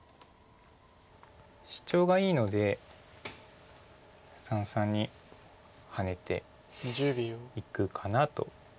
シチョウがいいので三々にハネていくかなと。